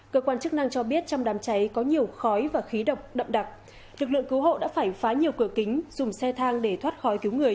cơ quan chức năng cho biết trong đám cháy có nhiều khói và khí độc đặc lực lượng cứu hộ đã phải phá nhiều cửa kính dùng xe thang để thoát khói cứu người